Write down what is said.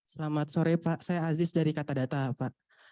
selamat sore pak saya aziz dari kata data pak